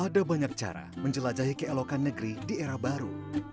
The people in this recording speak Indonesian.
ada banyak cara menjelajahi keelokan negeri di era baru